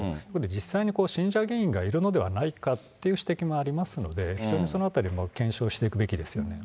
実際に信者議員がいるのではないかという指摘もありますので、非常にそのあたり検証していくべきですよね。